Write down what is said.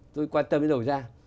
tôi quan tâm đến đầu gia